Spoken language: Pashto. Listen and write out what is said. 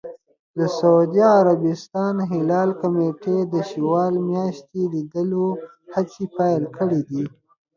د سعودي عربستان هلال کمېټې د شوال میاشتې لیدلو هڅې پیل کړې دي.